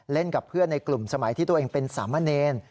กับเพื่อนในกลุ่มสมัยที่ตัวเองเป็นสามะเนร